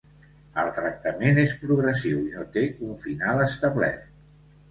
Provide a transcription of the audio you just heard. El tractament és progressiu i no té un final establert.